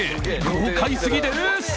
豪快すぎです！